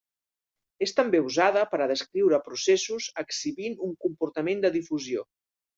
És també usada per a descriure processos exhibint un comportament de difusió.